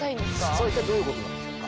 それは一体どういうことなんでしょうか？